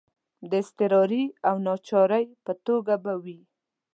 د اضطراري او ناچارۍ په توګه به وي.